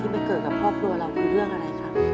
ไม่เกิดกับครอบครัวเราคือเรื่องอะไรครับ